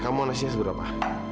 kamu mau nasinya seberapa